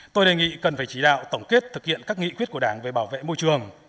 tôi đề nghị cần phải chỉ đạo tổng kết thực hiện các nghị quyết của đảng về bảo vệ môi trường